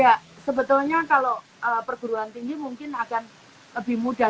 ya sebetulnya kalau perguruan tinggi mungkin akan lebih mudah